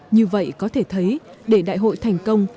như vậy có thể thấy để đại hội thành công